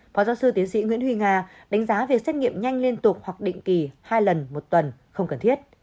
phó giáo sư tiến sĩ nguyễn huy nga đánh giá việc xét nghiệm nhanh liên tục hoặc định kỳ hai lần một tuần không cần thiết